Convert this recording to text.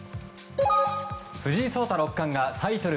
藤井聡太六冠がタイトル